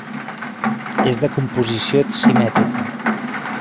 És de composició simètrica.